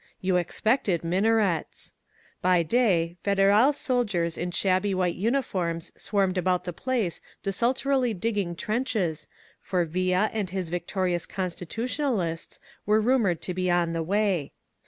You expected minarets. By day. Federal sol diers in shabby white uniforms swarmed about the place desultorily digging trenches, for Villa and his victori ous Constitutionalists were rumored to be on the way.